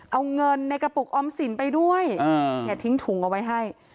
เอาเงินในกระปุกออมสินไปด้วยทิ้งถุงเอาไว้ให้